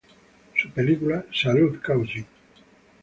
Su película "Salut cousin!